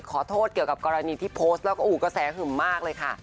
ขอโทษเกี่ยวกับกรณีที่โพสต์แล้วก็อู๋กระแสหึ่มมากเลยค่ะ